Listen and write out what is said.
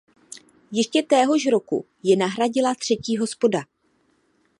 Ještě téhož roku ji nahradila třetí hospoda.